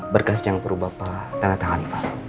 berkas yang perlu bapak tanda tangan